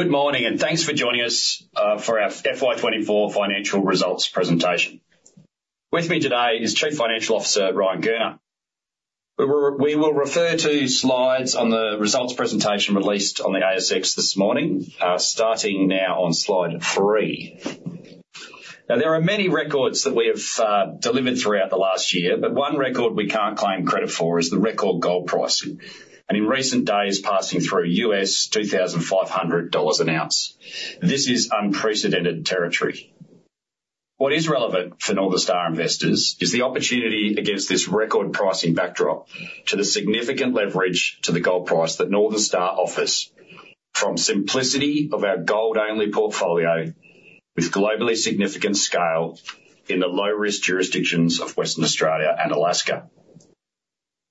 Good morning, and thanks for joining us for our FY twenty-four financial results presentation. With me today is Chief Financial Officer, Ryan Gurner. We will refer to slides on the results presentation released on the ASX this morning, starting now on slide three. Now, there are many records that we have delivered throughout the last year, but one record we can't claim credit for is the record gold price, and in recent days, passing through $2,500 an ounce. This is unprecedented territory. What is relevant for Northern Star investors is the opportunity against this record pricing backdrop to the significant leverage to the gold price that Northern Star offers, from simplicity of our gold-only portfolio with globally significant scale in the low-risk jurisdictions of Western Australia and Alaska.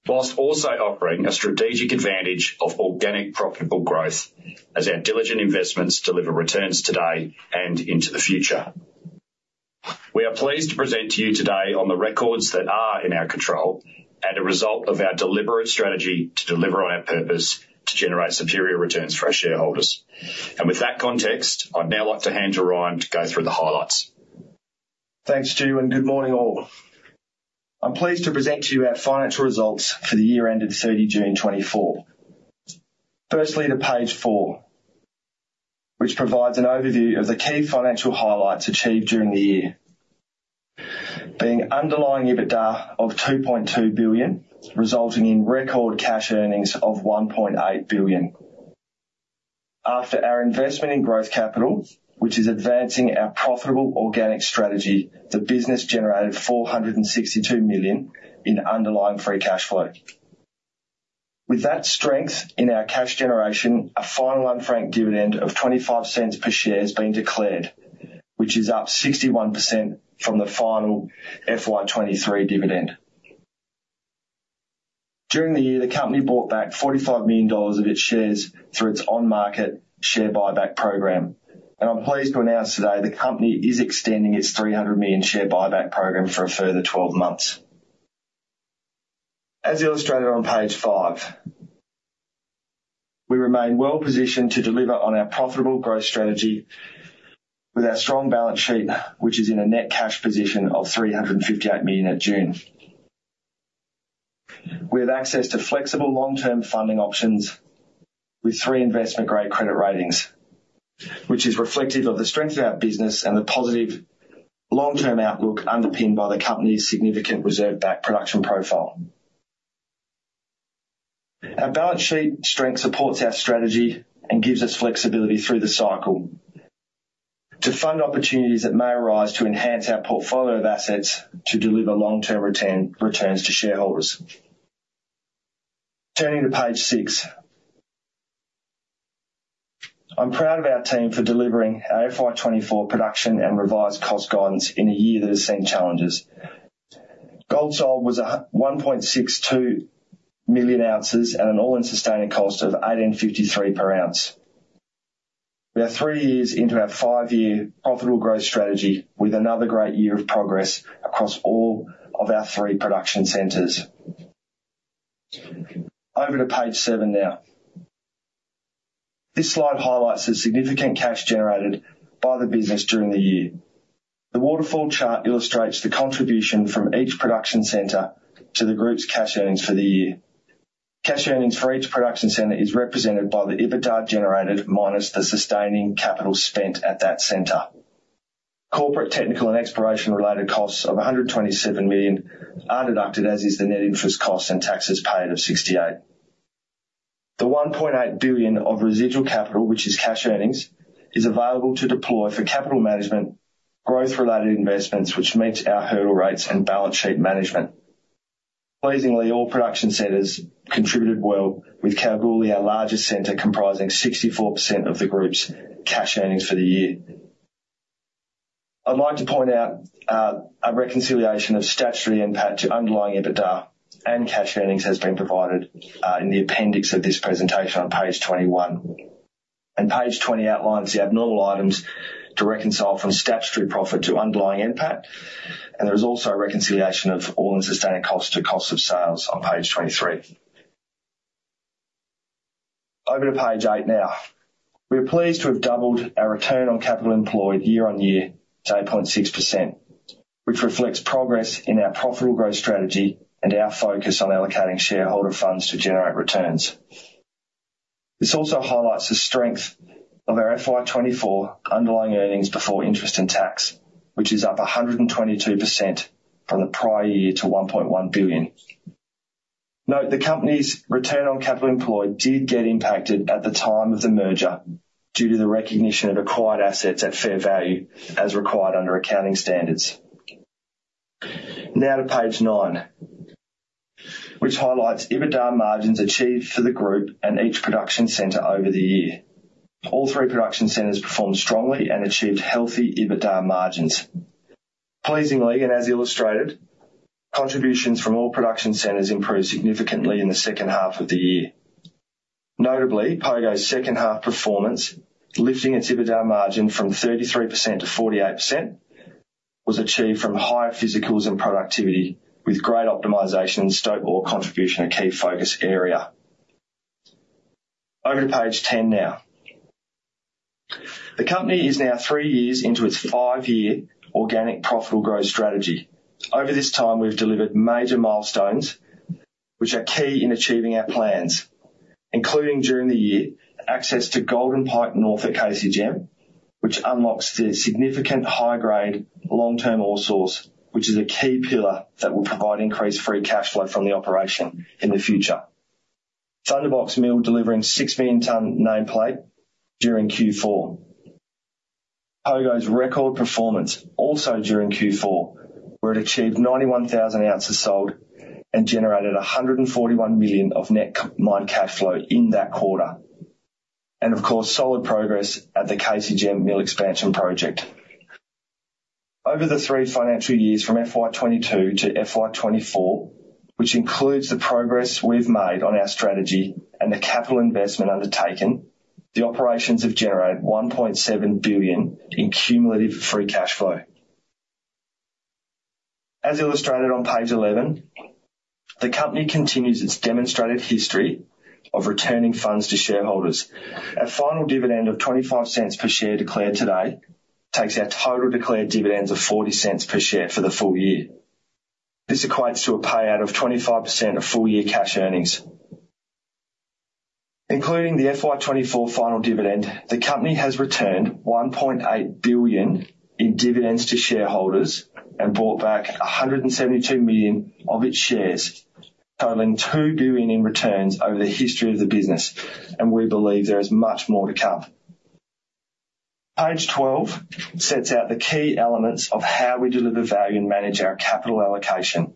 While also offering a strategic advantage of organic, profitable growth as our diligent investments deliver returns today and into the future. We are pleased to present to you today on the records that are in our control and a result of our deliberate strategy to deliver on our purpose to generate superior returns for our shareholders. And with that context, I'd now like to hand to Ryan to go through the highlights. Thanks, Stu, and good morning, all. I'm pleased to present to you our financial results for the year ending 30 June 2024. Firstly, to page four, which provides an overview of the key financial highlights achieved during the year. Being underlying EBITDA of AUD 2.2 billion, resulting in record cash earnings of AUD 1.8 billion. After our investment in growth capital, which is advancing our profitable organic strategy, the business generated 462 million in underlying free cash flow. With that strength in our cash generation, a final unfranked dividend of 0.25 per share has been declared, which is up 61% from the final FY 2023 dividend. During the year, the company bought back AUD 45 million of its shares through its on-market share buyback program, and I'm pleased to announce today the company is extending its 300 million share buyback program for a further 12 months. As illustrated on page 5, we remain well positioned to deliver on our profitable growth strategy with our strong balance sheet, which is in a net cash position of 358 million at June. We have access to flexible long-term funding options with three investment-grade credit ratings, which is reflective of the strength of our business and the positive long-term outlook underpinned by the company's significant reserve-backed production profile. Our balance sheet strength supports our strategy and gives us flexibility through the cycle to fund opportunities that may arise to enhance our portfolio of assets to deliver long-term return, returns to shareholders. Turning to page 6. I'm proud of our team for delivering our FY 2024 production and revised cost guidance in a year that has seen challenges. Gold sold was 1.62 million ounces at an all-in sustaining cost of 1,853 per ounce. We are three years into our five-year profitable growth strategy with another great year of progress across all of our three production centers. Over to page seven now. This slide highlights the significant cash generated by the business during the year. The waterfall chart illustrates the contribution from each production center to the group's cash earnings for the year. Cash earnings for each production center is represented by the EBITDA generated minus the sustaining capital spent at that center. Corporate, technical, and exploration-related costs of 127 million are deducted, as is the net interest costs and taxes paid of 68. The 1.8 billion of residual capital, which is cash earnings, is available to deploy for capital management, growth-related investments, which meets our hurdle rates and balance sheet management. Pleasingly, all production centers contributed well, with Kalgoorlie, our largest center, comprising 64% of the group's cash earnings for the year. I'd like to point out a reconciliation of statutory NPAT to underlying EBITDA and cash earnings has been provided in the appendix of this presentation on page 21. Page 20 outlines the abnormal items to reconcile from statutory profit to underlying NPAT, and there is also a reconciliation of all-in sustaining cost to cost of sales on page 23. Over to page 8 now. We are pleased to have doubled our return on capital employed year on year to 8.6%, which reflects progress in our profitable growth strategy and our focus on allocating shareholder funds to generate returns. This also highlights the strength of our FY 2024 underlying earnings before interest and tax, which is up 122% from the prior year to 1.1 billion. Note, the company's return on capital employed did get impacted at the time of the merger due to the recognition of acquired assets at fair value as required under accounting standards. Now to page nine, which highlights EBITDA margins achieved for the group and each production center over the year. All three production centers performed strongly and achieved healthy EBITDA margins. Pleasingly, and as illustrated, contributions from all production centers improved significantly in the second half of the year. Notably, Pogo's second half performance, lifting its EBITDA margin from 33% to 48% was achieved from higher physicals and productivity, with great optimization and stock ore contribution, a key focus area. Over to page ten now. The company is now three years into its five-year organic profitable growth strategy. Over this time, we've delivered major milestones, which are key in achieving our plans, including, during the year, access to Golden Pike North at KCGM, which unlocks the significant high-grade, long-term ore source, which is a key pillar that will provide increased free cash flow from the operation in the future. Thunderbox Mill delivering 6 million ton nameplate during Q4. Pogo's record performance also during Q4, where it achieved 91,000 ounces sold and generated 141 million of net mine cash flow in that quarter, and of course, solid progress at the KCGM mill expansion project. Over the three financial years, from FY 2022 to FY 2024, which includes the progress we've made on our strategy and the capital investment undertaken, the operations have generated AUD 1.7 billion in cumulative free cash flow. As illustrated on page 11, the company continues its demonstrated history of returning funds to shareholders. Our final dividend of 0.25 per share declared today, takes our total declared dividends of 0.40 per share for the full year. This equates to a payout of 25% of full-year cash earnings. Including the FY 2024 final dividend, the company has returned 1.8 billion in dividends to shareholders and bought back 172 million of its shares, totaling 2 billion in returns over the history of the business, and we believe there is much more to come. Page twelve sets out the key elements of how we deliver value and manage our capital allocation,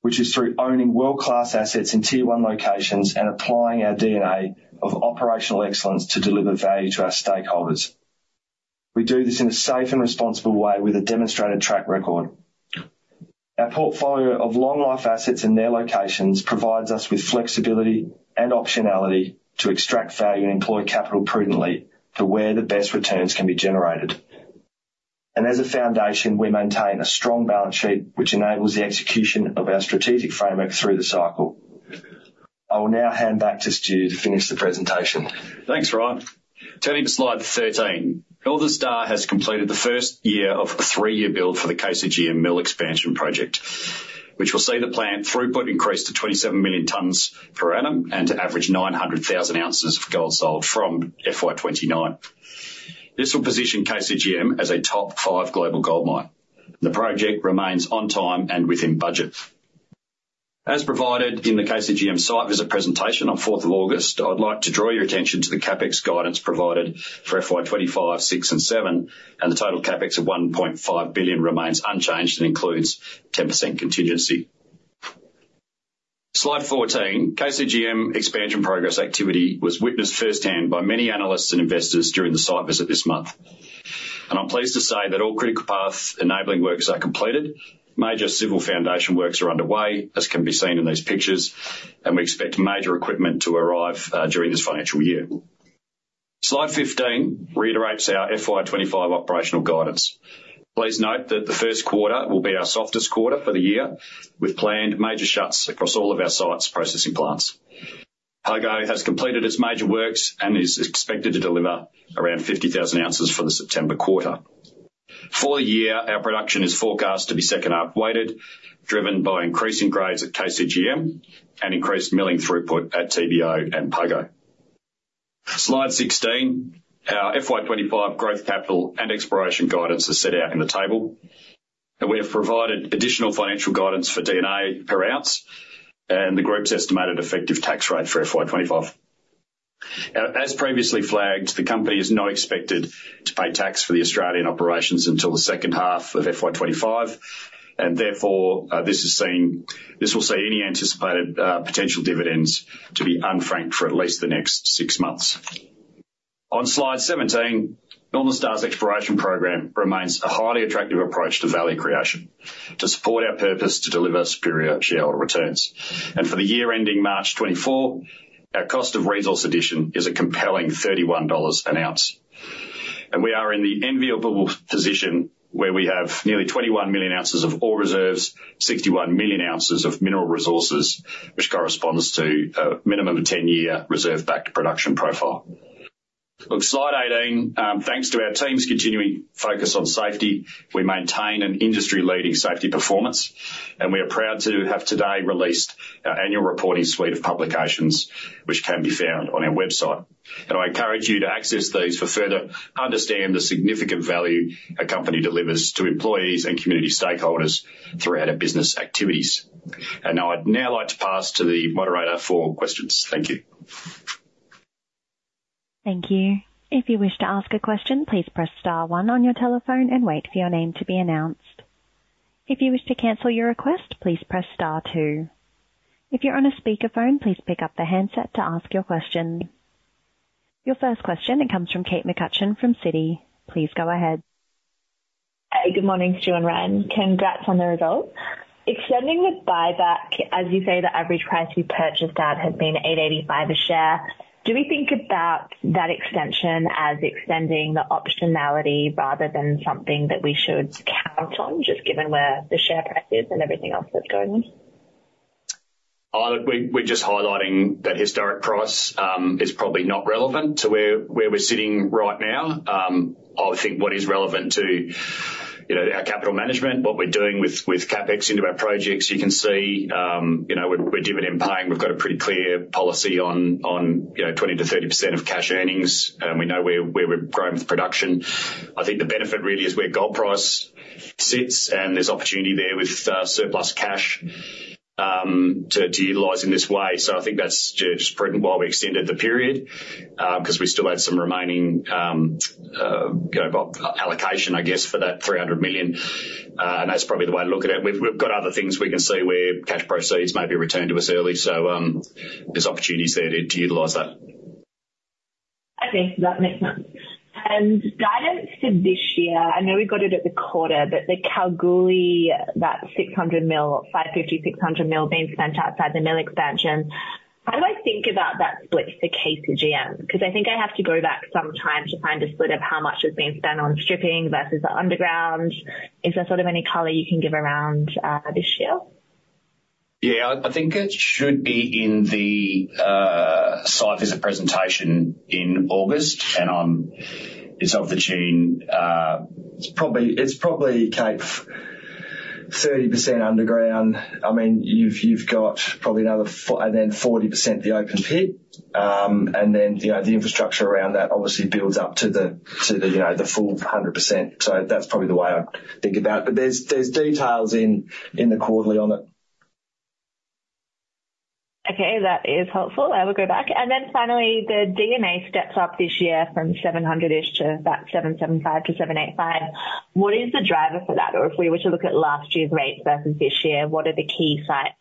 which is through owning world-class assets in Tier One locations and applying our DNA of operational excellence to deliver value to our stakeholders. We do this in a safe and responsible way with a demonstrated track record. Our portfolio of long-life assets and their locations provides us with flexibility and optionality to extract value and employ capital prudently to where the best returns can be generated, and as a foundation, we maintain a strong balance sheet, which enables the execution of our strategic framework through the cycle. I will now hand back to Stu to finish the presentation. Thanks, Ryan. Turning to slide 13. Northern Star has completed the first year of a three-year build for the KCGM Mill Expansion project, which will see the plant throughput increase to 27 million tons per annum and to average 900,000 ounces of gold sold from FY 2029. This will position KCGM as a top five global goldmine. The project remains on time and within budget. As provided in the KCGM site visit presentation on fourth of August, I would like to draw your attention to the CapEx guidance provided for FY 2025, 2026, and 2027, and the total CapEx of 1.5 billion remains unchanged and includes 10% contingency. Slide 14. KCGM expansion progress activity was witnessed firsthand by many analysts and investors during the site visit this month. I'm pleased to say that all critical path enabling works are completed. Major civil foundation works are underway, as can be seen in these pictures, and we expect major equipment to arrive during this financial year. Slide fifteen reiterates our FY twenty-five operational guidance. Please note that the first quarter will be our softest quarter for the year, with planned major shuts across all of our sites' processing plants. Pogo has completed its major works and is expected to deliver around fifty thousand ounces for the September quarter. For the year, our production is forecast to be second half weighted, driven by increasing grades at KCGM and increased milling throughput at TBO and Pogo. Slide sixteen. Our FY twenty-five growth capital and exploration guidance is set out in the table, and we have provided additional financial guidance for D&A per ounce and the group's estimated effective tax rate for FY twenty-five. Now, as previously flagged, the company is not expected to pay tax for the Australian operations until the second half of FY 2025, and therefore, this will see any anticipated potential dividends to be unfranked for at least the next six months. On slide 17, Northern Star's exploration program remains a highly attractive approach to value creation, to support our purpose to deliver superior shareholder returns. For the year ending March 2024, our cost of resource addition is a compelling 31 dollars an ounce. We are in the enviable position where we have nearly 21 million ounces of ore reserves, 61 million ounces of mineral resources, which corresponds to a minimum of ten-year reserve-backed production profile. On slide 18, thanks to our team's continuing focus on safety, we maintain an industry-leading safety performance, and we are proud to have today released our annual reporting suite of publications, which can be found on our website. I encourage you to access these for further understand the significant value our company delivers to employees and community stakeholders throughout our business activities. Now I'd like to pass to the moderator for questions. Thank you. Thank you. If you wish to ask a question, please press star one on your telephone and wait for your name to be announced. If you wish to cancel your request, please press star two. If you're on a speakerphone, please pick up the handset to ask your question. Your first question comes from Kate McCutcheon from Citi. Please go ahead. Hey, good morning, Stu and Ryan. Congrats on the results. Extending the buyback, as you say, the average price you purchased at has been 8.85 a share. Do we think about that extension as extending the optionality rather than something that we should count on, just given where the share price is and everything else that's going on? We're just highlighting that historic price is probably not relevant to where we're sitting right now. I think what is relevant to you know our capital management, what we're doing with CapEx into our projects, you can see you know we're dividend paying. We've got a pretty clear policy on you know 20%-30% of cash earnings, and we know where we've grown with production. I think the benefit really is where gold price sits, and there's opportunity there with surplus cash to utilize in this way, so I think that's just prudent why we extended the period because we still had some remaining you know allocation, I guess, for that 300 million, and that's probably the way to look at it. We've got other things we can see where cash proceeds may be returned to us early, so there's opportunities there to utilize that. Okay, that makes sense. Guidance for this year, I know we got it at the quarter, but the Kalgoorlie, that 600 million, 550 million-600 million being spent outside the mill expansion, how do I think about that split for KCGM? Because I think I have to go back some time to find a split of how much is being spent on stripping versus the underground. Is there sort of any color you can give around this year? Yeah, I think it should be in the site visit presentation in August, and on - it's off the chain. It's probably, Kate, 30% underground. I mean, you've got probably another f- and then 40% the open pit, and then, you know, the infrastructure around that obviously builds up to the, you know, the full 100%. So that's probably the way I think about it. But there's details in the quarterly on it. Okay, that is helpful. I will go back. Then finally, the D&A steps up this year from 700-ish to about 775-785. What is the driver for that? Or if we were to look at last year's rates versus this year, what are the key sites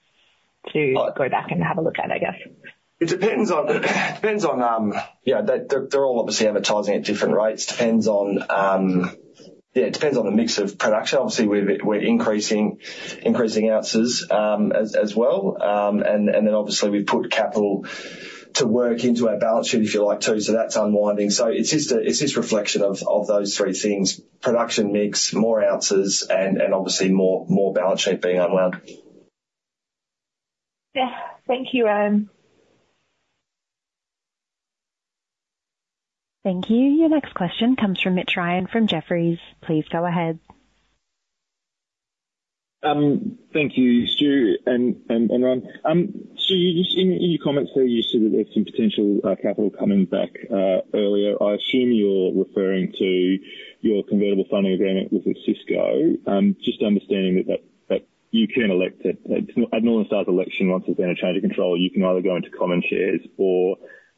to go back and have a look at, I guess? It depends on, you know, they, they're all obviously advertising at different rates. Depends on, yeah, it depends on the mix of production. Obviously, we're increasing ounces, as well. And then obviously we've put capital to work into our balance sheet, if you like, too, so that's unwinding. So it's just a reflection of those three things: production mix, more ounces, and obviously more balance sheet being unwound. Yeah. Thank you, Ryan. Thank you. Your next question comes from Mitch Ryan, from Jefferies. Please go ahead. Thank you, Stu and Ryan. Stu, just in your comments there, you said that there's some potential capital coming back earlier. I assume you're referring to your convertible funding agreement with Osisko. Just understanding that you can elect it. It's a Northern Star election, once there's been a change of control, you can either go into common shares or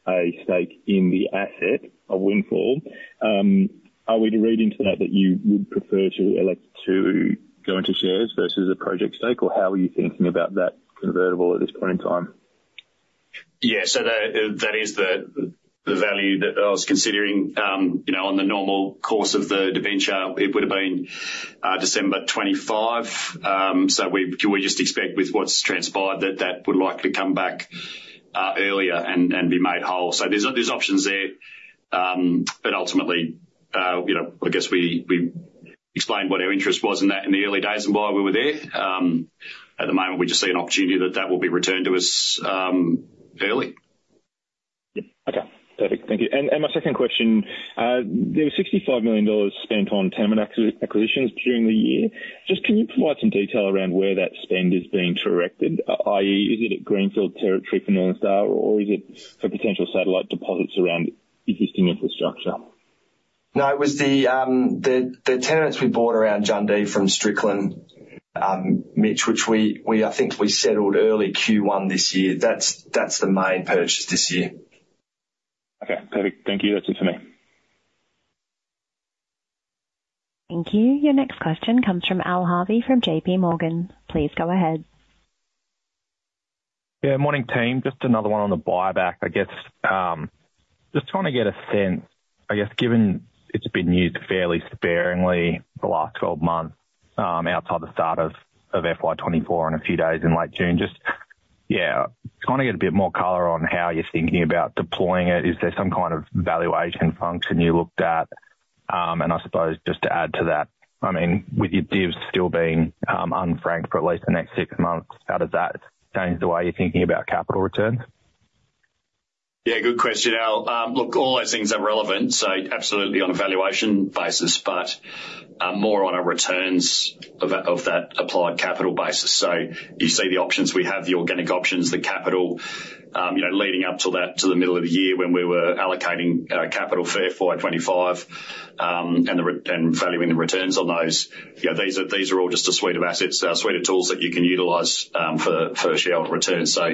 a stake in the asset, Windfall. Are we to read into that you would prefer to elect to go into shares versus a project stake, or how are you thinking about that convertible at this point in time? Yeah, so that, that is the value that I was considering. You know, on the normal course of the debenture, it would've been December twenty-five. So we just expect with what's transpired, that that would likely come back earlier and be made whole. So there's options there, but ultimately, you know, I guess we explained what our interest was in that in the early days and why we were there. At the moment, we just see an opportunity that that will be returned to us early. Okay, perfect. Thank you. And my second question, there was 65 million dollars spent on tenement acquisitions during the year. Just can you provide some detail around where that spend is being directed? I.e., is it at greenfield territory for Northern Star, or is it for potential satellite deposits around existing infrastructure? No, it was the tenements we bought around Jundee from Strickland, Mitch, which we, I think we settled early Q1 this year. That's the main purchase this year. Okay, perfect. Thank you. That's it for me. Thank you. Your next question comes from Al Harvey, from JPMorgan. Please go ahead. Yeah, morning, team. Just another one on the buyback, I guess. Just trying to get a sense, I guess, given it's been used fairly sparingly for the last 12 months, outside the start of FY 2024 and a few days in late June, just, yeah, trying to get a bit more color on how you're thinking about deploying it. Is there some kind of valuation function you looked at? And I suppose just to add to that, I mean, with your divs still being unfranked for at least the next six months, how does that change the way you're thinking about capital returns? Yeah, good question, Al. Look, all those things are relevant, so absolutely on a valuation basis, but, more on a returns of that, of that applied capital basis. So you see the options we have, the organic options, the capital, you know, leading up to that, to the middle of the year when we were allocating, capital for FY twenty-five, and the re- and valuing the returns on those. You know, these are, these are all just a suite of assets, a suite of tools that you can utilize, for, for shareholder returns. So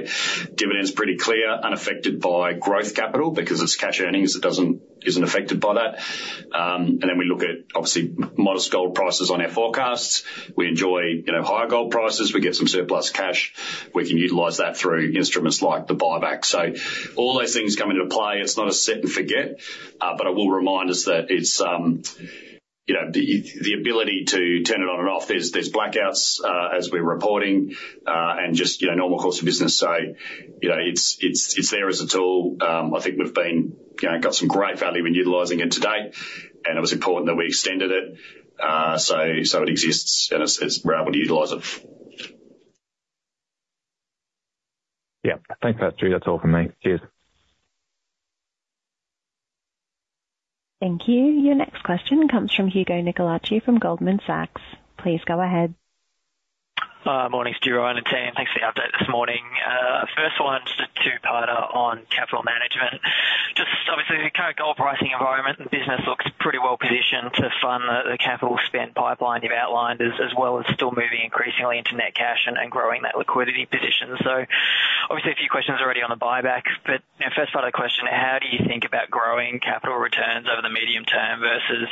dividend's pretty clear, unaffected by growth capital, because it's cash earnings, it isn't affected by that. And then we look at, obviously, modest gold prices on our forecasts. We enjoy, you know, higher gold prices, we get some surplus cash, we can utilize that through instruments like the buyback. So all those things come into play. It's not a set and forget, but it will remind us that it's, you know, the ability to turn it on and off. There's blackouts as we're reporting, and just, you know, normal course of business. So, you know, it's there as a tool. I think we've got some great value in utilizing it to date, and it was important that we extended it, so it exists and it's, we're able to utilize it. Yeah, thanks, Stuart. That's all for me. Cheers! Thank you. Your next question comes from Hugo Nicolaci from Goldman Sachs. Please go ahead. Morning, Stuart, Ryan, and team. Thanks for the update this morning. First one, just a two-parter on capital management. Just obviously, the current gold pricing environment and business looks pretty well positioned to fund the capital spend pipeline you've outlined, as well as still moving increasingly into net cash and growing that liquidity position. So obviously, a few questions already on the buyback, but you know, first part of the question: how do you think about growing capital returns over the medium term versus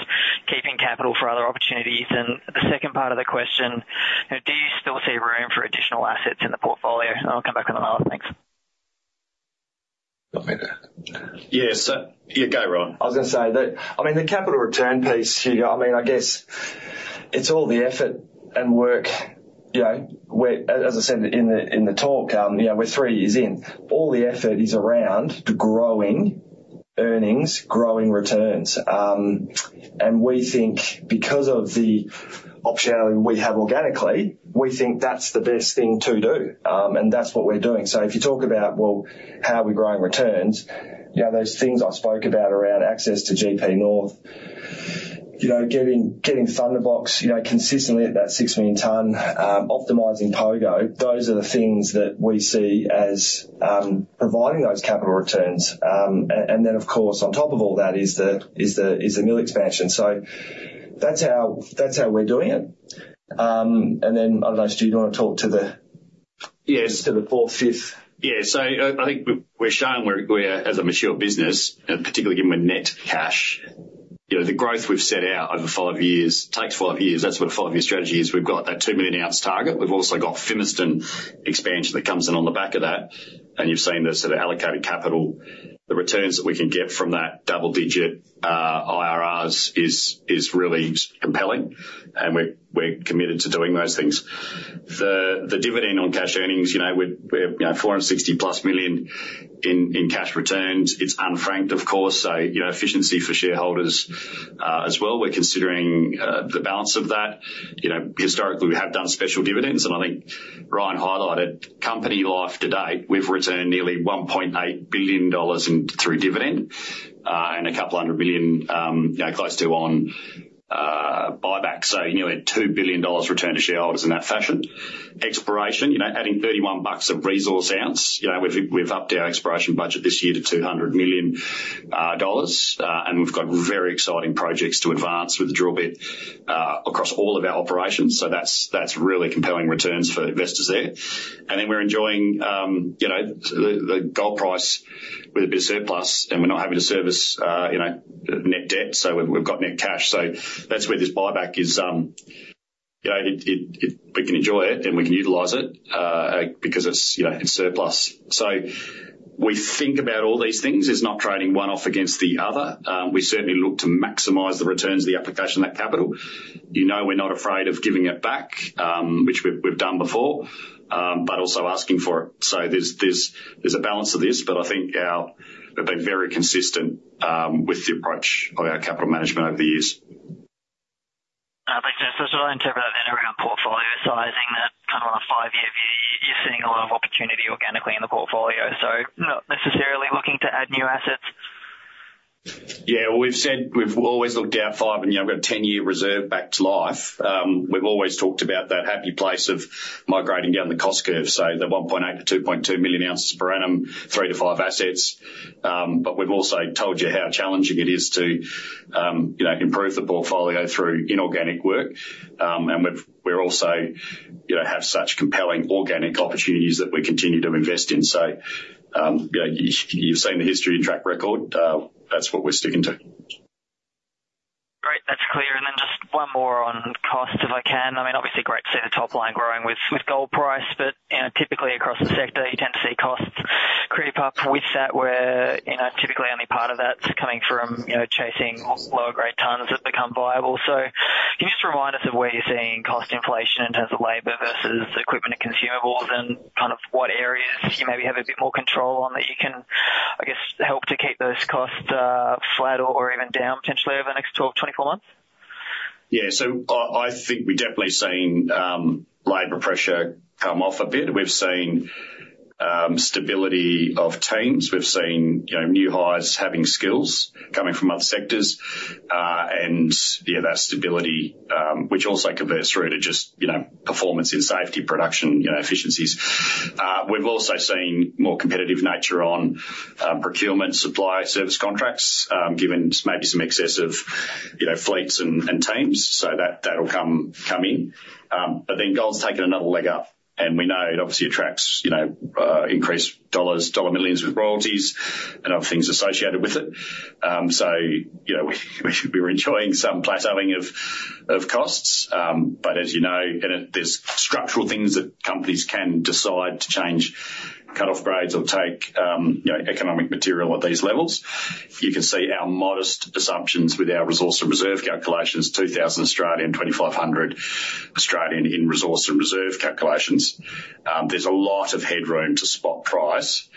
keeping capital for other opportunities? And the second part of the question, you know: do you still see room for additional assets in the portfolio? And I'll come back on the line. Thanks. Yeah, go, Ryan. I was gonna say that, I mean, the capital return piece, Hugo, I mean, I guess it's all the effort and work, you know, we're, as I said in the, in the talk, you know, we're three years in. All the effort is around growing earnings, growing returns. And we think because of the optionality we have organically, we think that's the best thing to do, and that's what we're doing. So if you talk about, well, how are we growing returns? You know, those things I spoke about around access to Golden Pike North, you know, getting Thunderbox consistently at that six million ton, optimizing Pogo, those are the things that we see as providing those capital returns. And then, of course, on top of all that is the mill expansion. So that's how, that's how we're doing it. And then I don't know, Stu, do you wanna talk to the- Yes. To the fourth, fifth? Yeah. So I think we've-- we're showing we're, we're, as a mature business, and particularly given we're net cash, you know, the growth we've set out over five years takes five years. That's what a five-year strategy is. We've got that two million ounce target. We've also got Fimiston expansion that comes in on the back of that, and you've seen the sort of allocated capital. The returns that we can get from that double-digit IRRs is really compelling, and we're, we're committed to doing those things. The dividend on cash earnings, you know, we're four hundred and sixty-plus million in cash returns. It's unfranked, of course, so, you know, efficiency for shareholders as well. We're considering the balance of that. You know, historically, we have done special dividends, and I think Ryan highlighted, company life to date, we've returned nearly 1.8 billion dollars through dividends, and a couple hundred million, you know, close to on buyback, so nearly 2 billion dollars returned to shareholders in that fashion. Exploration, you know, adding 31 bucks a resource ounce, you know, we've upped our exploration budget this year to 200 million dollars, and we've got very exciting projects to advance with the drill bit across all of our operations, so that's really compelling returns for investors there. And then we're enjoying, you know, the gold price with a bit of surplus, and we're not having to service, you know, net debt, so we've got net cash. So that's where this buyback is, you know, we can enjoy it, and we can utilize it, because it's, you know, it's surplus. So we think about all these things. It's not trading one off against the other. We certainly look to maximize the returns of the application of that capital. You know, we're not afraid of giving it back, which we've done before, but also asking for it. So there's a balance to this, but I think we've been very consistent with the approach of our capital management over the years. Thanks, guys. So I interpret that then around portfolio sizing, that kind of on a five-year view, you're seeing a lot of opportunity organically in the portfolio, so not necessarily looking to add new assets? Yeah, well, we've said we've always looked out five, and, you know, we've got a ten-year reserve back to life. We've always talked about that happy place of migrating down the cost curve, so the 1.8-2.2 million ounces per annum, 3-5 assets. But we've also told you how challenging it is to, you know, improve the portfolio through inorganic work. And we've also, you know, have such compelling organic opportunities that we continue to invest in. So, you know, you've seen the history and track record. That's what we're sticking to. Great, that's clear. And then just one more on costs, if I can. I mean, obviously, great to see the top line growing with gold price, but, you know, typically across the sector, you tend to see costs creep up with that, where, you know, typically only part of that's coming from, you know, chasing lower grade tons that become viable. So can you just remind us of where you're seeing cost inflation in terms of labor versus equipment and consumables, and kind of what areas you maybe have a bit more control on that you can, I guess, help to keep those costs flat or even down potentially over the next twelve, twenty-four months? Yeah, so I think we've definitely seen labor pressure come off a bit. We've seen stability of teams. We've seen, you know, new hires having skills coming from other sectors, and yeah, that stability which also converts through to just, you know, performance in safety, production, you know, efficiencies. We've also seen more competitive nature on procurement, supply, service contracts given maybe some excess of, you know, fleets and teams, so that'll come in, but then gold's taken another leg up, and we know it obviously attracts, you know, increased dollars, dollar millions with royalties and other things associated with it. So, you know, we're enjoying some plateauing of costs, but as you know, you know, there's structural things that companies can decide to change, cut-off grades or take, you know, economic material at these levels. You can see our modest assumptions with our resource and reserve calculations, 2,000-2,500 in resource and reserve calculations. There's a lot of headroom to spot price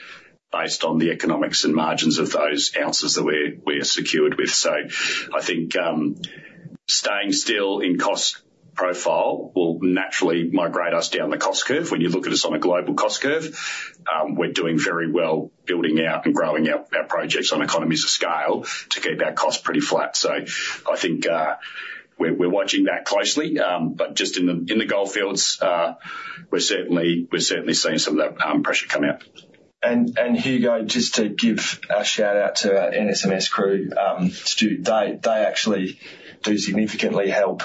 based on the economics and margins of those ounces that we're secured with. So I think staying still in cost profile will naturally migrate us down the cost curve. When you look at us on a global cost curve, we're doing very well building out and growing out our projects on economies of scale to keep our costs pretty flat. So I think we're watching that closely, but just in the goldfields, we're certainly seeing some of that pressure come out. Hugo, just to give a shout-out to our NSMS crew, Stu, they actually do significantly help.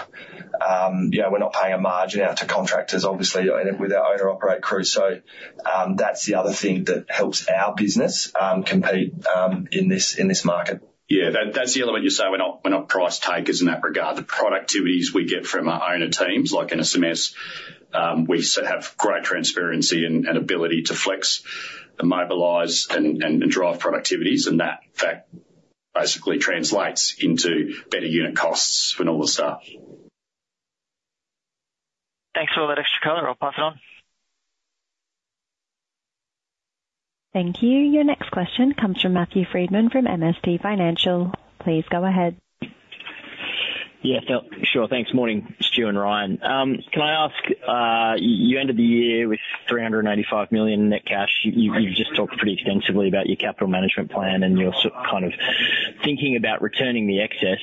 You know, we're not paying a margin out to contractors, obviously, with our owner-operated crew. That's the other thing that helps our business compete in this market. Yeah, that, that's the element you say we're not, we're not price takers in that regard. The productivities we get from our owner teams, like NSMS, we also have great transparency and ability to flex and mobilize and drive productivities, and that fact basically translates into better unit costs for normal stuff. Thanks for all that extra color. I'll pass it on. Thank you. Your next question comes from Matthew Frydman from MST Financial. Please go ahead. Yeah, sure. Thanks. Morning, Stu and Ryan. Can I ask, you ended the year with 385 million net cash. You've just talked pretty extensively about your capital management plan, and you're sort of kind of thinking about returning the excess.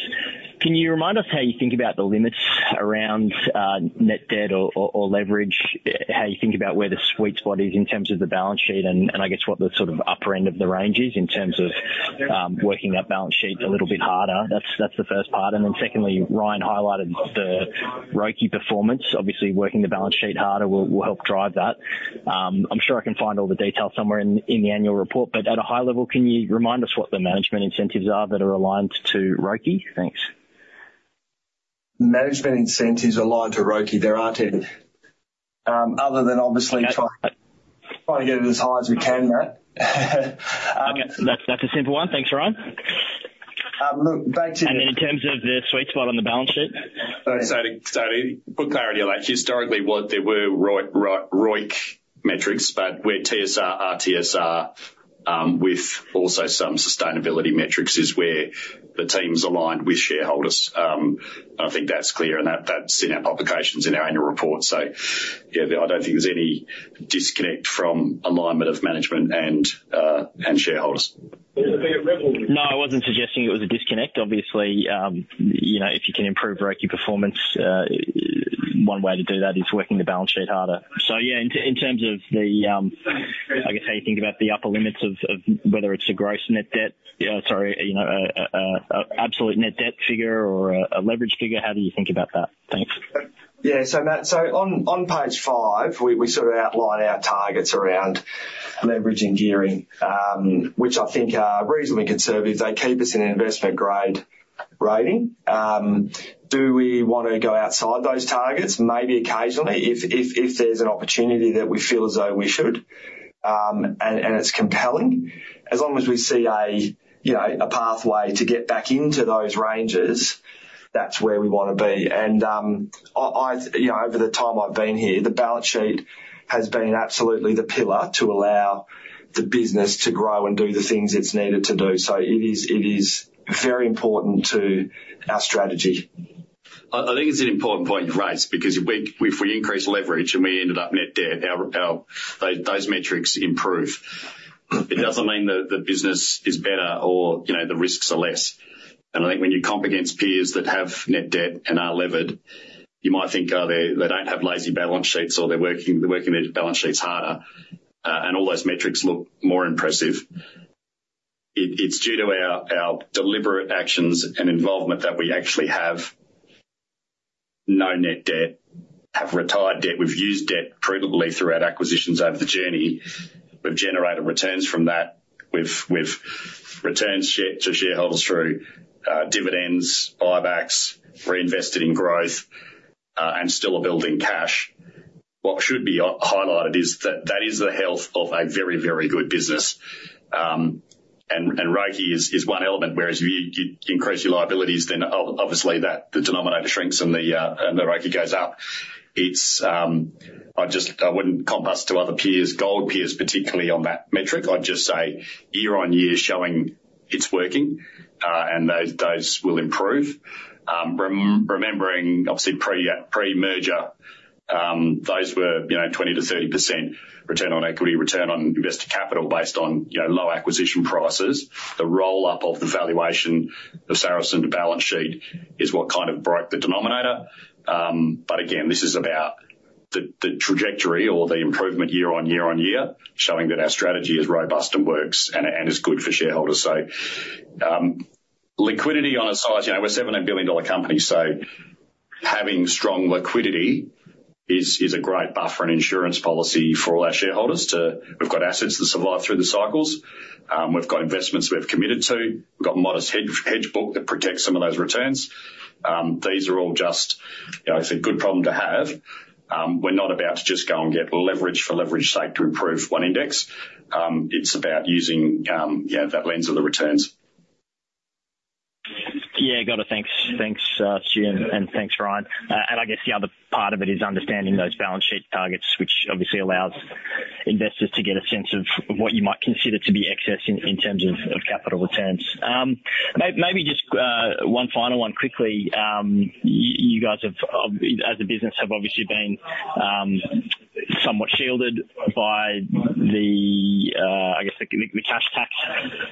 Can you remind us how you think about the limits around net debt or leverage? How you think about where the sweet spot is in terms of the balance sheet, and I guess what the sort of upper end of the range is in terms of working that balance sheet a little bit harder? That's the first part. And then secondly, Ryan highlighted the ROIC performance. Obviously, working the balance sheet harder will help drive that. I'm sure I can find all the details somewhere in the annual report, but at a high level, can you remind us what the management incentives are that are aligned to ROIC? Thanks. Management incentives aligned to ROIC, there aren't any. Other than obviously trying- Yeah. Trying to get it as high as we can, Matt. Okay, that's, that's a simple one. Thanks, Ryan. Look, back to the- In terms of the sweet spot on the balance sheet? To put clarity on that, historically, what there were ROI, ROIC metrics, but where TSR are TSR with also some sustainability metrics is where the team's aligned with shareholders. I think that's clear, and that's in our publications, in our annual report. Yeah, I don't think there's any disconnect from alignment of management and shareholders. No, I wasn't suggesting it was a disconnect. Obviously, you know, if you can improve ROIC performance, one way to do that is working the balance sheet harder. So yeah, in terms of the, I guess how you think about the upper limits of whether it's a gross net debt, sorry, you know, a absolute net debt figure or a leverage figure, how do you think about that? Thanks. Yeah, so Matt, so on page five, we sort of outline our targets around leverage and gearing, which I think are reasonably conservative. They keep us in an investment-grade rating. Do we want to go outside those targets? Maybe occasionally if there's an opportunity that we feel as though we should, and it's compelling. As long as we see a you know, a pathway to get back into those ranges, that's where we want to be. I you know, over the time I've been here, the balance sheet has been absolutely the pillar to allow the business to grow and do the things it's needed to do. It is very important to our strategy. I think it's an important point you've raised, because if we increase leverage and we ended up net debt, those metrics improve. It doesn't mean that the business is better or, you know, the risks are less. And I think when you comp against peers that have net debt and are levered, you might think, oh, they don't have lazy balance sheets, or they're working their balance sheets harder, and all those metrics look more impressive. It's due to our deliberate actions and involvement that we actually have no net debt, have retired debt. We've used debt provably throughout acquisitions over the journey. We've generated returns from that. We've returned share to shareholders through dividends, buybacks, reinvested in growth, and still are building cash. What should be highlighted is that that is the health of a very, very good business. And ROIC is one element, whereas if you increase your liabilities, then obviously the denominator shrinks and the ROIC goes up. It's I just wouldn't comp us to other peers, gold peers, particularly on that metric. I'd just say year on year showing it's working, and those will improve. Remembering, obviously, pre-merger, those were, you know, 20% to 30% return on equity, return on invested capital based on, you know, low acquisition prices. The roll-up of the valuation of Saracen to balance sheet is what kind of broke the denominator. But again, this is about the trajectory or the improvement year on year on year, showing that our strategy is robust and works and is good for shareholders. So, liquidity on a size, you know, we're a 17 billion dollar company, so having strong liquidity is a great buffer and insurance policy for all our shareholders to... We've got assets that survive through the cycles. We've got investments we've committed to. We've got a modest hedge book that protects some of those returns. These are all just, you know, it's a good problem to have. We're not about to just go and get leverage for leverage sake to improve one index. It's about using, you know, that lens of the returns. Yeah, got it. Thanks. Thanks, Stu, and thanks, Ryan. And I guess the other part of it is understanding those balance sheet targets, which obviously allows investors to get a sense of what you might consider to be excess in terms of capital returns. Maybe just one final one quickly. You guys have, as a business, have obviously been somewhat shielded by the, I guess, the cash tax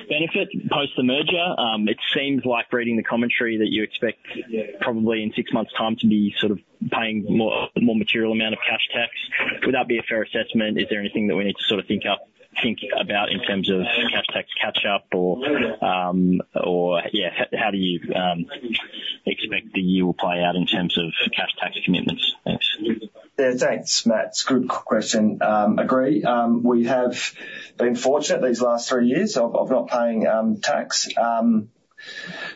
benefit post the merger. It seems like reading the commentary that you expect probably in six months' time to be sort of paying more, a more material amount of cash tax. Would that be a fair assessment? Is there anything that we need to sort of think about in terms of cash tax catch up or, or yeah, how do you expect the year will play out in terms of cash tax commitments? Thanks. Yeah, thanks, Matt. It's a good question. Agree, we have been fortunate these last three years of not paying tax.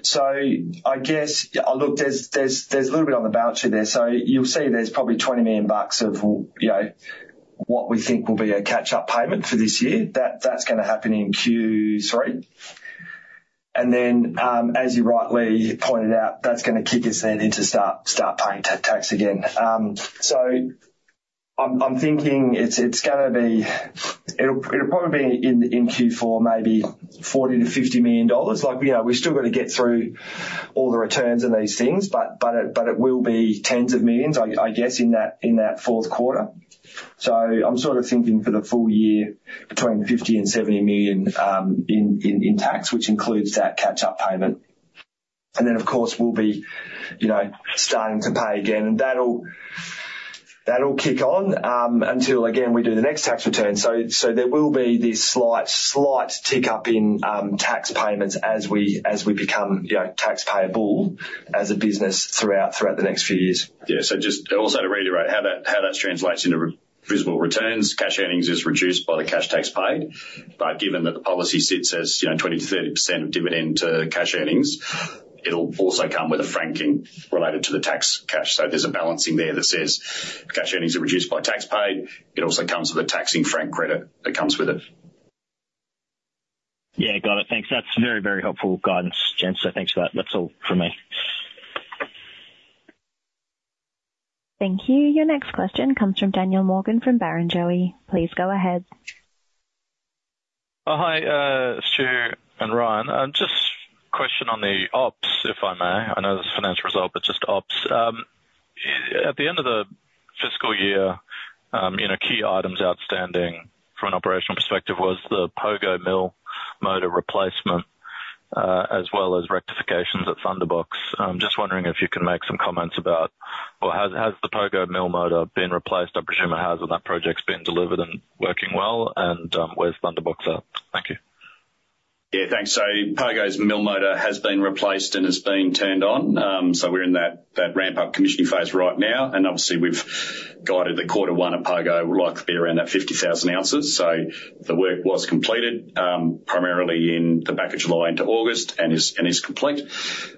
So I guess, look, there's a little bit on the balance sheet there. So you'll see there's probably 20 million bucks of what we think will be a catch-up payment for this year. That's gonna happen in Q3. And then, as you rightly pointed out, that's gonna kick us then in to start paying tax again. So I'm thinking it's gonna be... It'll probably be in Q4, maybe 40-50 million dollars. Like, you know, we've still got to get through all the returns on these things, but it will be tens of millions, I guess, in that fourth quarter. So I'm sort of thinking for the full year, between 50 million-70 million in tax, which includes that catch-up payment. And then, of course, we'll be, you know, starting to pay again, and that'll kick on until again we do the next tax return. So there will be this slight tick-up in tax payments as we become, you know, tax payable as a business throughout the next few years. Yeah, so just also to reiterate how that translates into realizable returns, cash earnings is reduced by the cash tax paid. But given that the policy sits as, you know, 20%-30% of dividend to cash earnings, it'll also come with a franking related to the tax cash. So there's a balancing there that says cash earnings are reduced by tax paid. It also comes with a franking credit that comes with it. Yeah, got it. Thanks. That's very, very helpful guidance, gents. So thanks for that. That's all from me. Thank you. Your next question comes from Daniel Morgan, from Barrenjoey. Please go ahead. Oh, hi, Stu and Ryan. Just a question on the ops, if I may. I know this is financial result, but just ops. At the end of the fiscal year, you know, key items outstanding from an operational perspective was the Pogo mill motor replacement, as well as rectifications at Thunderbox. I'm just wondering if you can make some comments about... Or how, has the Pogo mill motor been replaced? I presume it has, and that project's been delivered and working well, and, where's Thunderbox at? Thank you. Yeah, thanks. So Pogo's mill motor has been replaced and is being turned on. So we're in that ramp-up commissioning phase right now, and obviously, we've guided that quarter one at Pogo will likely be around that fifty thousand ounces. So the work was completed, primarily in the back of July into August and is complete.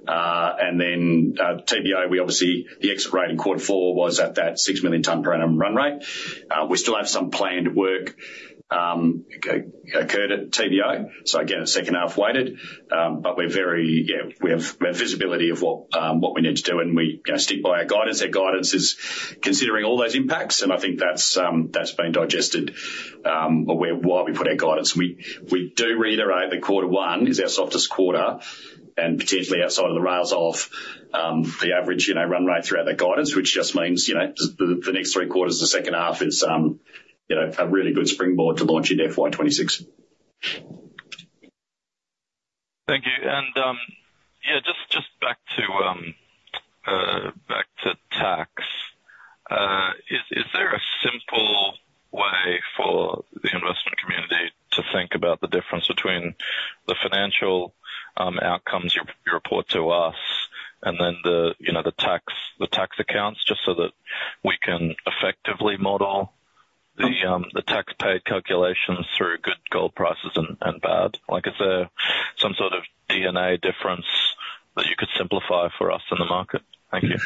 And then, TBO, we obviously, the exit rate in quarter four was at that six million ton per annum run rate. We still have some planned work occurred at TBO, so again, a second half weighted. But we're very... Yeah, we have visibility of what we need to do, and we, you know, stick by our guidance. Our guidance is considering all those impacts, and I think that's been digested, where, why we put our guidance. We do reiterate that quarter one is our softest quarter and potentially outside of the rails off, the average, you know, run rate throughout that guidance, which just means, you know, the next three quarters of the second half is, you know, a really good springboard to launch in FY twenty-six. Thank you. And, yeah, just back to tax. Is there a simple way for the investment community to think about the difference between the financial outcomes you report to us and then the, you know, the tax accounts, just so that we can effectively model the tax paid calculations through good gold prices and bad? Like, is there some sort of D&A difference that you could simplify for us in the market? Thank you.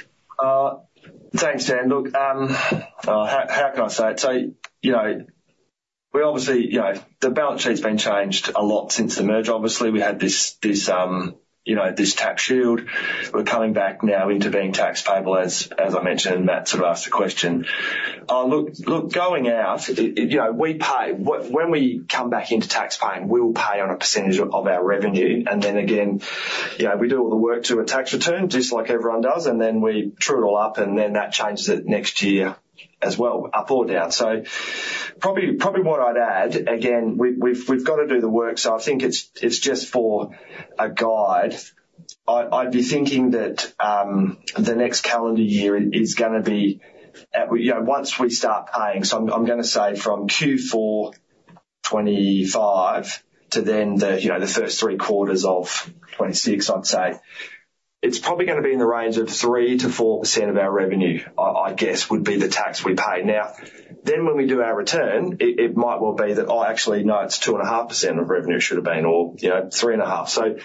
Thanks, Dan. Look, how can I say it? So, you know, we obviously, you know, the balance sheet's been changed a lot since the merger. Obviously, we had this tax shield. We're coming back now into being tax payable, as I mentioned, and Matt sort of asked the question. Look, going out, it, you know, we pay when we come back into tax paying, we will pay on a percentage of our revenue, and then again, you know, we do all the work to a tax return, just like everyone does, and then we true it all up, and then that changes it next year as well, up or down. So probably what I'd add, again, we've got to do the work, so I think it's just for a guide. I'd be thinking that the next calendar year is gonna be. You know, once we start paying, so I'm gonna say from Q4 2025 to then the, you know, the first three quarters of 2026, I'd say, it's probably gonna be in the range of 3%-4% of our revenue, I guess, would be the tax we pay. Now, then, when we do our return, it might well be that, "Oh, actually, no, it's 2.5% of revenue should have been, or, you know, 3.5%." So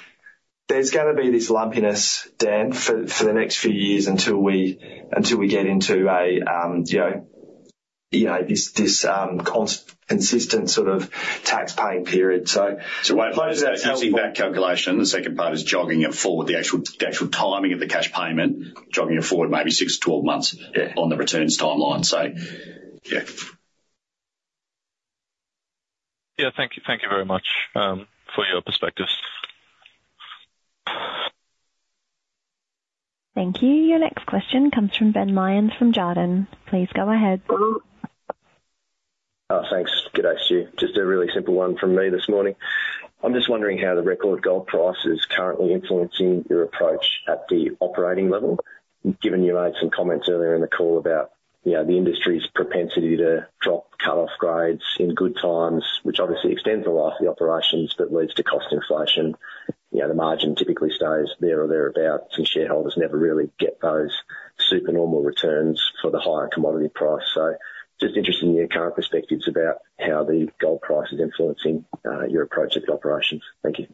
there's gonna be this lumpiness, Dan, for the next few years until we get into a, you know, consistent sort of tax-paying period. So- Part of that calculation, the second part is jogging it forward, the actual timing of the cash payment, jogging it forward maybe six to 12 months. Yeah. on the returns timeline. So yeah.... Yeah, thank you. Thank you very much, for your perspectives. Thank you. Your next question comes from Ben Lyons from Jarden. Please go ahead. Thanks. Good day, Stu. Just a really simple one from me this morning. I'm just wondering how the record gold price is currently influencing your approach at the operating level, given you made some comments earlier in the call about, you know, the industry's propensity to drop cut-off grades in good times, which obviously extends the life of the operations, but leads to cost inflation. You know, the margin typically stays there or thereabout, and shareholders never really get those supernormal returns for the higher commodity price. So just interested in your current perspectives about how the gold price is influencing your approach at the operations. Thank you.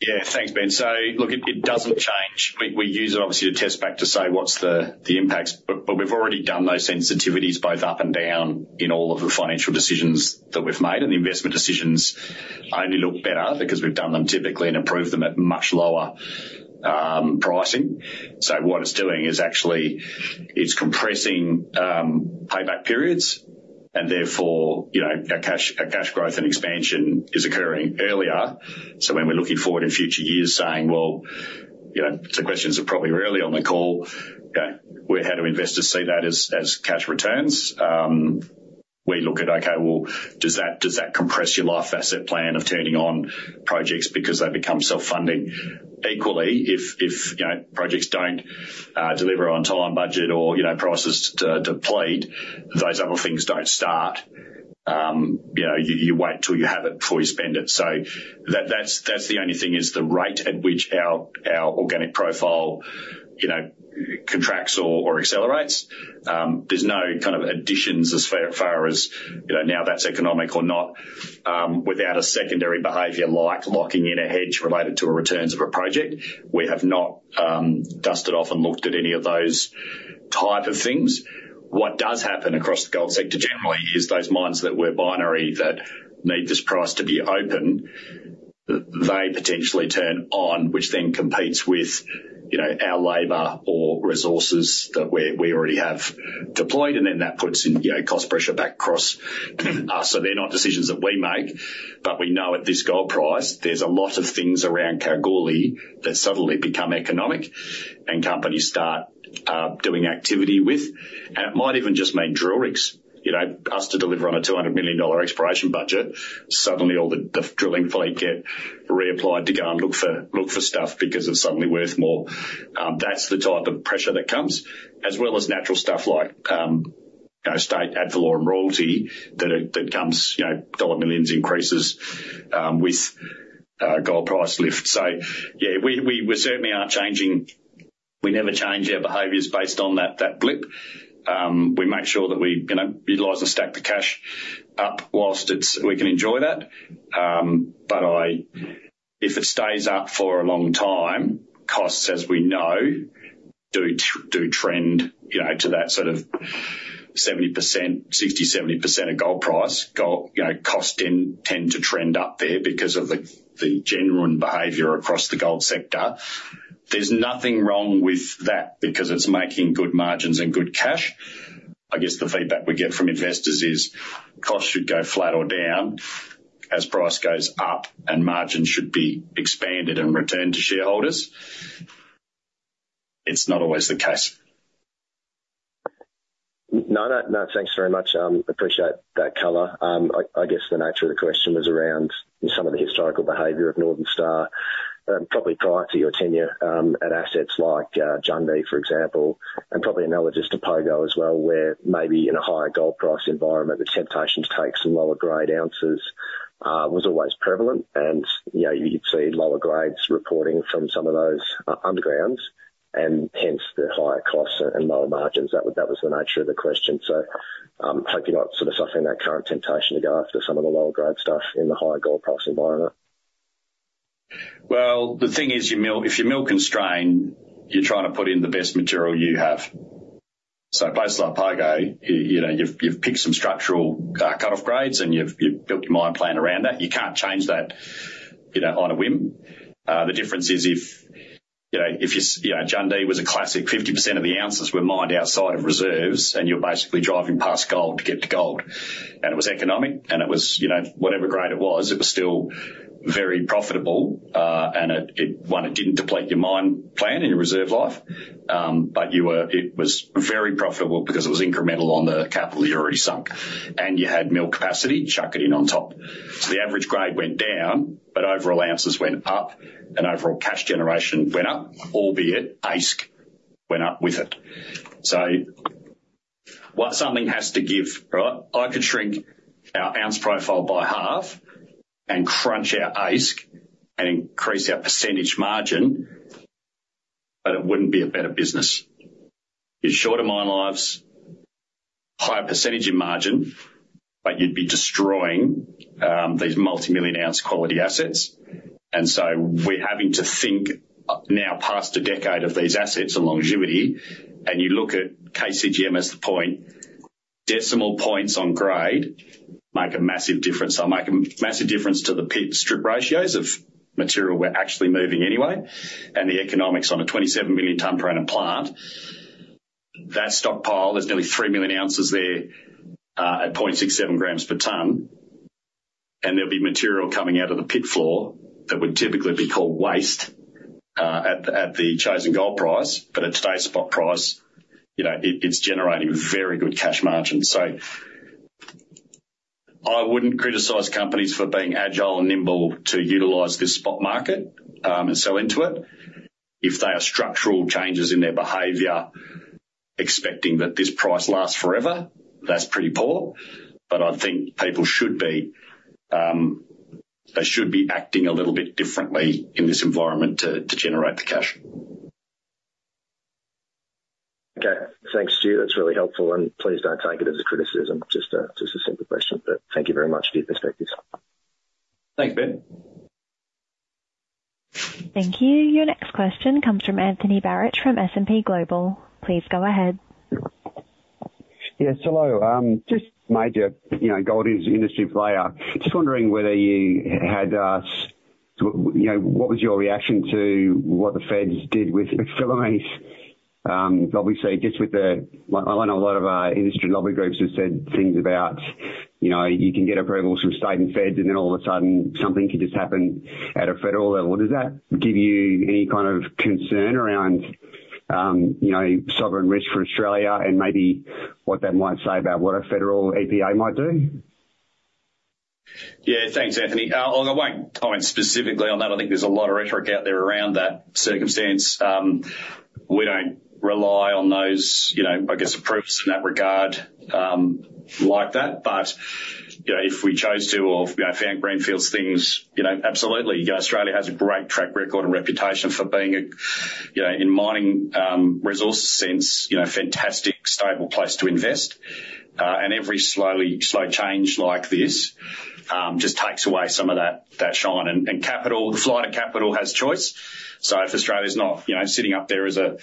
Yeah, thanks, Ben. So look, it doesn't change. We use it obviously to test back to say what's the impacts, but we've already done those sensitivities both up and down in all of the financial decisions that we've made, and the investment decisions only look better because we've done them typically and approved them at much lower pricing. So what it's doing is actually it's compressing payback periods, and therefore, you know, our cash growth and expansion is occurring earlier. So when we're looking forward in future years saying, well, you know, some questions are probably early on the call, you know, we're ahead of investors see that as cash returns. We look at, okay, well, does that compress your life asset plan of turning on projects because they become self-funding? Equally, if you know, projects don't deliver on time, budget, or, you know, prices deplete, those other things don't start. You know, you wait till you have it before you spend it. So that's the only thing, is the rate at which our organic profile, you know, contracts or accelerates. There's no kind of additions as far as, you know, now that's economic or not, without a secondary behavior like locking in a hedge related to the returns of a project. We have not dusted off and looked at any of those type of things. What does happen across the gold sector generally is those mines that were binary that need this price to be open, they potentially turn on, which then competes with, you know, our labor or resources that we already have deployed, and then that puts in, you know, cost pressure back across us. So they're not decisions that we make, but we know at this gold price, there's a lot of things around Kalgoorlie that suddenly become economic and companies start doing activity with. And it might even just mean drill rigs. You know, for us to deliver on a 200 million dollar exploration budget, suddenly all the drilling fleet get reapplied to go and look for stuff because it's suddenly worth more. That's the type of pressure that comes, as well as natural stuff like, you know, state ad valorem royalty that comes, you know, dollar millions increases with gold price lift. So yeah, we certainly aren't changing. We never change our behaviors based on that blip. We make sure that we, you know, utilize and stack the cash up whilst it's we can enjoy that. But if it stays up for a long time, costs, as we know, do trend, you know, to that sort of 70%, 60-70% of gold price. Gold, you know, costs tend to trend up there because of the genuine behavior across the gold sector. There's nothing wrong with that, because it's making good margins and good cash. I guess the feedback we get from investors is costs should go flat or down as price goes up, and margins should be expanded and returned to shareholders. It's not always the case. No, no, no, thanks very much. Appreciate that color. I guess the nature of the question was around some of the historical behavior of Northern Star, probably prior to your tenure, at assets like Jundee, for example, and probably analogous to Pogo as well, where maybe in a higher gold price environment, the temptation to take some lower grade ounces was always prevalent. You know, you'd see lower grades reporting from some of those undergrounds, and hence the higher costs and lower margins. That was the nature of the question. Hope you're not sort of suffering that current temptation to go after some of the lower grade stuff in the higher gold price environment. The thing is, if you're mill-constrained, you're trying to put in the best material you have. So places like Pogo, you know, you've picked some structural cut-off grades, and you've built your mine plan around that. You can't change that, you know, on a whim. The difference is if, you know, Jundee was a classic. 50% of the ounces were mined outside of reserves, and you're basically driving past gold to get to gold. And it was economic, and it was, you know, whatever grade it was, it was still very profitable, and it one, it didn't deplete your mine plan and your reserve life, but it was very profitable because it was incremental on the capital you already sunk, and you had mill capacity, chuck it in on top. So the average grade went down, but overall ounces went up, and overall cash generation went up, albeit AISC went up with it. So what, something has to give, right? I could shrink our ounce profile by half and crunch our AISC and increase our percentage margin, but it wouldn't be a better business. You have shorter mine lives, higher percentage in margin, but you'd be destroying these multimillion-ounce quality assets. And so we're having to think now past a decade of these assets and longevity, and you look at KCGM as the point, decimal points on grade make a massive difference. They'll make a massive difference to the pit strip ratios of material we're actually moving anyway, and the economics on a 27 million ton per annum plant-... That stockpile, there's nearly three million ounces there at point six seven grams per ton, and there'll be material coming out of the pit floor that would typically be called waste at the chosen gold price, but at today's spot price, you know, it's generating very good cash margins. So I wouldn't criticize companies for being agile and nimble to utilize this spot market and sell into it. If there are structural changes in their behavior, expecting that this price lasts forever, that's pretty poor, but I think people should be they should be acting a little bit differently in this environment to generate the cash. Okay. Thanks, Stuart. That's really helpful, and please don't take it as a criticism, just a, just a simple question, but thank you very much for your perspectives. Thanks, Ben. Thank you. Your next question comes from Anthony Barich, from S&P Global. Please go ahead. Yes, hello. Just major, you know, gold is an industry player. Just wondering, you know, what was your reaction to what the Feds did with submarines? Obviously, just with the... Well, I know a lot of our industry lobby groups have said things about, you know, you can get approvals from state and feds, and then all of a sudden, something could just happen at a federal level. Does that give you any kind of concern around, you know, sovereign risk for Australia and maybe what that might say about what a federal EPA might do? Yeah, thanks, Anthony. I won't comment specifically on that. I think there's a lot of rhetoric out there around that circumstance. We don't rely on those, you know, I guess, approvals in that regard, like that. But, you know, if we chose to or if, you know, found greenfields things, you know, absolutely. Australia has a great track record and reputation for being a, you know, in mining, resources sense, you know, fantastic, stable place to invest. And every slow change like this just takes away some of that shine. And capital, the flight of capital has choice, so if Australia's not, you know, sitting up there as a,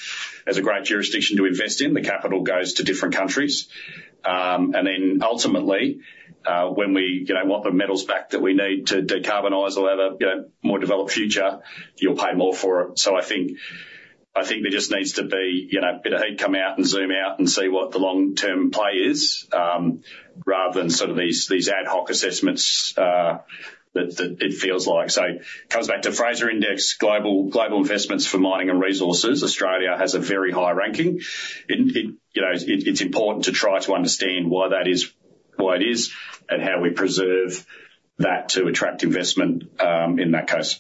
as a great jurisdiction to invest in, the capital goes to different countries. And then ultimately, when we, you know, want the metals back that we need to decarbonize or have a, you know, more developed future, you'll pay more for it. So I think there just needs to be, you know, a bit of head come out and zoom out and see what the long-term play is, rather than sort of these ad hoc assessments that it feels like. So it comes back to Fraser Index, global investments for mining and resources. Australia has a very high ranking. It, you know, it, it's important to try to understand why that is, why it is, and how we preserve that to attract investment, in that case.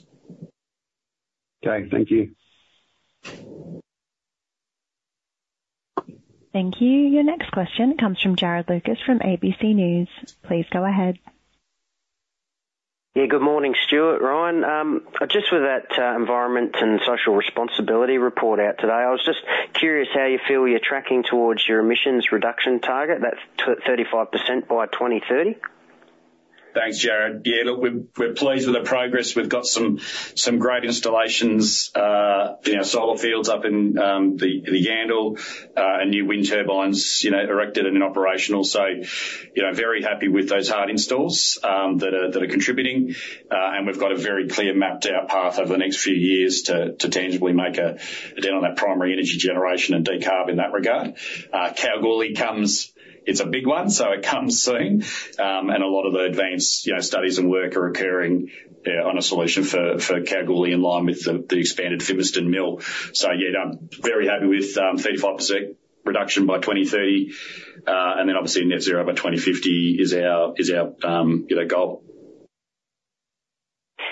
Okay, thank you. Thank you. Your next question comes from Jarrod Lucas from ABC News. Please go ahead. Yeah, good morning, Stuart, Ryan. Just with that, environment and social responsibility report out today, I was just curious how you feel you're tracking towards your emissions reduction target? That's 35% by 2030. Thanks, Jarrod. Yeah, look, we're pleased with the progress. We've got some great installations, you know, solar fields up in the Yandal, and new wind turbines, you know, erected and in operational. So, you know, very happy with those hard installs that are contributing, and we've got a very clear mapped out path over the next few years to tangibly make a dent on that primary energy generation and decarb in that regard. Kalgoorlie comes... It's a big one, so it comes soon. A lot of the advanced, you know, studies and work are occurring on a solution for Kalgoorlie in line with the expanded Fimiston Mill. So yeah, I'm very happy with 35% reduction by 2030, and then obviously net zero by 2050 is our, you know, goal.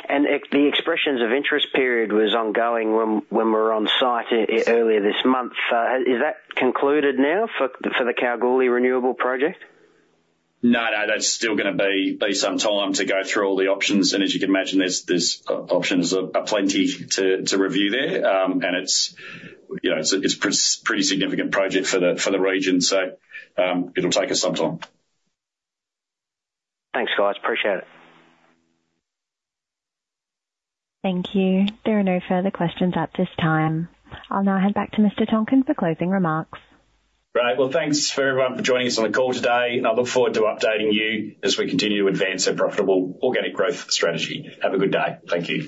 And the expressions of interest period was ongoing when we were on site earlier this month. Is that concluded now for the Kalgoorlie Renewable Project? No, no, there's still gonna be some time to go through all the options, and as you can imagine, there's options aplenty to review there. And it's, you know, a pretty significant project for the region, so it'll take us some time. Thanks, guys. Appreciate it. Thank you. There are no further questions at this time. I'll now hand back to Mr. Tonkin for closing remarks. Great. Thanks for everyone for joining us on the call today, and I look forward to updating you as we continue to advance our profitable organic growth strategy. Have a good day. Thank you.